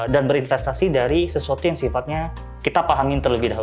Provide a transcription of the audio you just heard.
dan berinvestasi dari sesuatu yang sifatnya kita pahamin terlebih dahulu